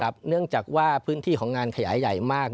เนื่องจากว่าพื้นที่ของงานขยายใหญ่มาก